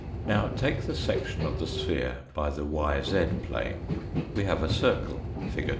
Now, take the section of the sphere by the yz plane we have a circle fig.